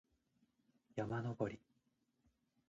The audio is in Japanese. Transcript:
山登り